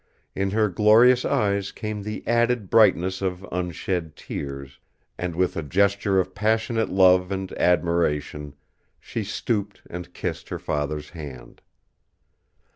In her glorious eyes came the added brightness of unshed tears; and with a gesture of passionate love and admiration, she stooped and kissed her father's hand.